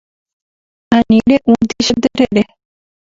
Ani re'úti che terere.